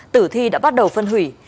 tử thi đã bắt đầu phân hủy